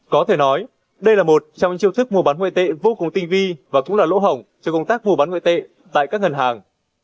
có thể nói đây là một trong những chiêu thức mua bán ngoại tệ vô cùng tinh vi và cũng là lỗ hỏng cho công tác mua bán ngoại tệ tại các ngân hàng